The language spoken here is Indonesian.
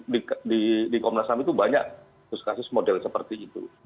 dan di komnas ham itu banyak diskusi model seperti itu